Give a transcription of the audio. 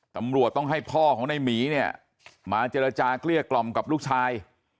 ตำรวจต้องให้พ่อของในหมีเนี่ยมาเจรจาเกลี้ยกล่อมกับลูกชาย